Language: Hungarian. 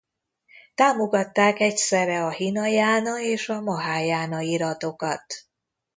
Támogatták egyszerre a hínajána és a mahájána iratokat.